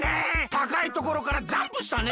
たかいところからジャンプしたね！